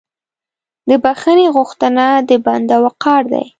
د بخښنې غوښتنه د بنده وقار دی.